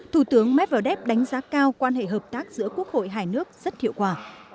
thủ tướng medvedev đánh giá cao quan hệ hợp tác giữa quốc hội hai nước rất hiệu quả